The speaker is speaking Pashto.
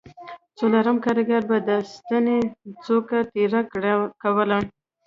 څلورم کارګر به د ستنې څوکه تېره کوله